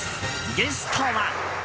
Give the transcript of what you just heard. ゲストは。